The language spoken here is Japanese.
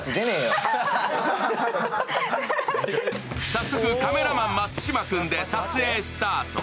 早速、カメラマン松島君で撮影スタート。